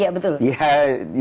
iya seperti itulah kira kira